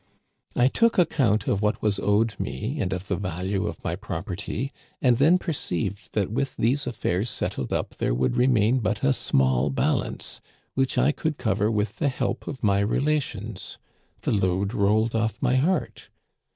I took account of what was owed me and of the value of my property, and then perceived that with these aflfairs settled up there would remain but a small 10 Digitized by VjOOQIC 146 THE CANADIANS OF OLD, balance, which I could cover with the help of my rela tions. The load rolled ofiF my heart.